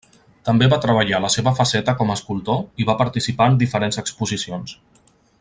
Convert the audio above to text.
També va treballar la seva faceta com a escultor i va participar en diferents exposicions.